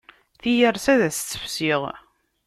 Tiyersi ad as-tt-fsiɣ.